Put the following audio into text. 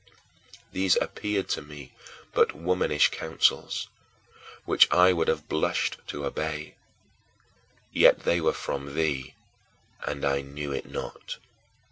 These appeared to me but womanish counsels, which I would have blushed to obey. Yet they were from thee, and I knew it not.